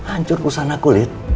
ancur perusahaan aku